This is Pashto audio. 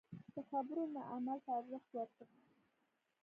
د خبرو نه عمل ته ارزښت ورکړه.